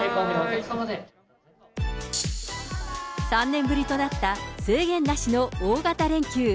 ３年ぶりとなった制限なしの大型連休。